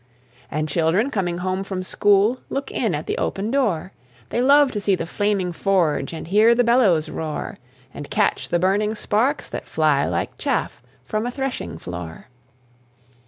And children coming home from school Look in at the open door; They love to see the flaming forge, And hear the bellows roar, And catch the burning sparks that fly Like chaff from a threshing floor.